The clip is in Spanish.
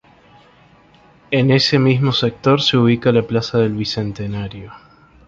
En ese mismo sector se ubica la Plaza del Bicentenario.